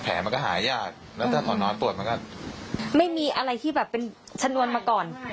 มันก็หายากแล้วถ้าเขานอนตรวจมันก็ไม่มีอะไรที่แบบเป็นชนวนมาก่อน